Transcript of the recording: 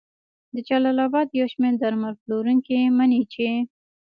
د جلال اباد یو شمېر درمل پلورونکي مني چې